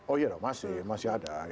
oh iya dong masih masih ada